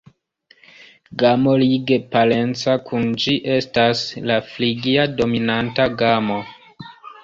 Gamo lige parenca kun ĝi estas la frigia-dominanta gamo.